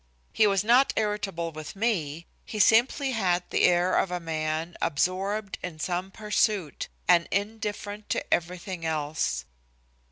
He was not irritable with me, he simply had the air of a man absorbed in some pursuit and indifferent to everything else.